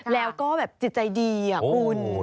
แล้วก็แบบจิตใจดีคุณ